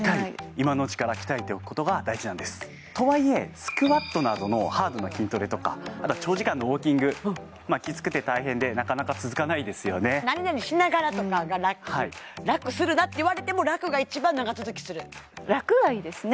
今のうちから鍛えておくことが大事なんですとはいえスクワットなどのハードな筋トレとかあとは長時間のウォーキングきつくて大変でなかなか続かないですよね何々しながらとかがラクラクするなって言われてもラクはいいですね